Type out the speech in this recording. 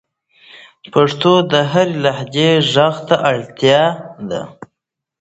د پښتو د هرې لهجې ږغ ته اړتیا ده.